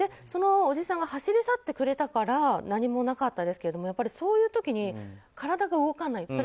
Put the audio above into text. そのおじさんが走り去ってくれたから何もなかったですけどそういう時に体が動かない。